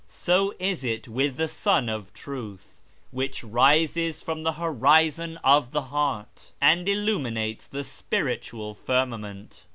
So is it with the Sun of Truth, which rises from the horizon of the heart, and illuminates the Spiritual Firmament."